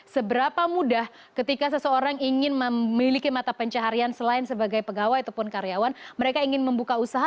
seberapa mudah ketika seseorang ingin memiliki mata pencaharian selain sebagai pegawai ataupun karyawan mereka ingin membuka usaha